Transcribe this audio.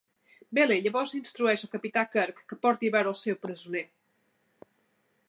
Bele llavors instrueix al capità Kirk que el porti a veure el seu "presoner".